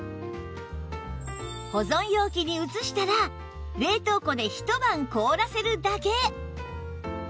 保存容器に移したら冷凍庫でひと晩凍らせるだけ